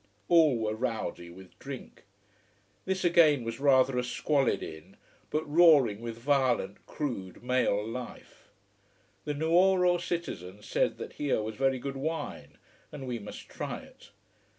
All were rowdy with drink. This again was rather a squalid inn but roaring with violent, crude male life. The Nuoro citizen said that here was very good wine, and we must try it.